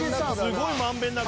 すごい満遍なく。